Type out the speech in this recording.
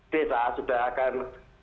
desa sudah akan